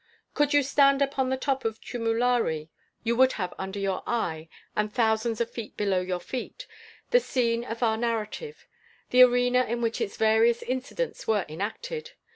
Could you stand upon the top of Chumulari, you would have under your eye, and thousands of feet below your feet, the scene of our narrative the arena in which its various incidents were enacted.